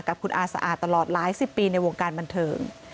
กับคุณอาสะอาดตลอดหลายสิบปีในวงการบันเทิง